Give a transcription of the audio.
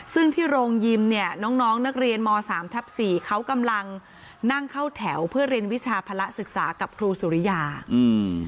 ซึ่งที่โรงยิมเนี่ยน้องน้องนักเรียนมสามทับสี่เขากำลังนั่งเข้าแถวเพื่อเรียนวิชาภาระศึกษากับครูสุริยาอืม